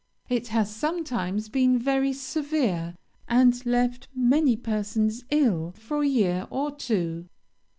It has sometimes been very severe, and left many persons ill for a year or two.